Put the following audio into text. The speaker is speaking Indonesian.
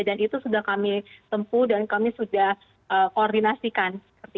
dan itu sudah kami tempuh dan kami sudah koordinasikan